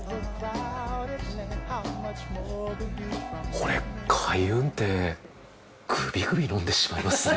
これ開運ってグビグビ飲んでしまいますね。